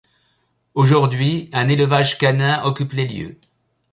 Aujourd'hui un élevage canin occupe les lieux.